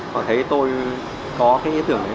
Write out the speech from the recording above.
họ thấy tôi có cái ý tưởng đấy